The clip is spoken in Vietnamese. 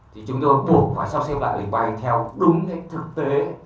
thì chúng tôi cũng phải sao xem lại để bay theo đúng cái thực tế